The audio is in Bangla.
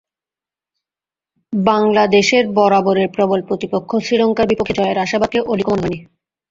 বাংলাদেশের বরাবরের প্রবল প্রতিপক্ষ শ্রীলঙ্কার বিপক্ষে জয়ের আশাবাদকে অলীকও মনে হয়নি।